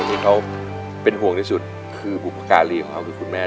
คนที่เขาเป็นห่วงที่สุดคือบุปการีของคุณแม่